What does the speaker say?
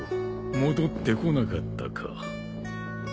戻ってこなかったか。